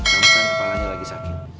karena kan kepalanya lagi sakit